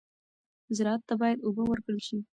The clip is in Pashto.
زراعت ته باید اوبه ورکړل شي.